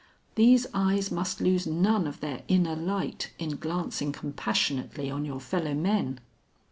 These eyes must lose none of their inner light in glancing compassionately on your fellow men.